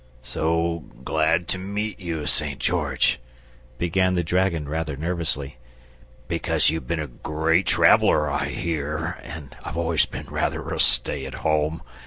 "So glad to meet you, St. George," began the dragon rather nervously, "because you've been a great traveller, I hear, and I've always been rather a stay at home.